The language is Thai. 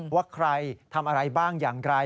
ว่าใครทำอะไรบ้างอย่างไร